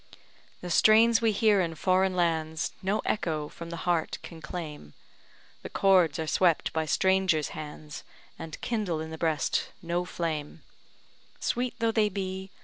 The strains we hear in foreign lands, No echo from the heart can claim; The chords are swept by strangers' hands, And kindle in the breast no flame, Sweet though they be.